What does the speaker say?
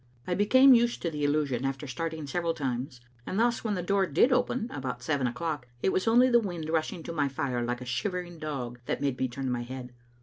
I became used to the illusion after starting several times, and thus when the door did open, about seven o'clock, it was only the wind rushing to my fire like a shivering dog that made me turn my head.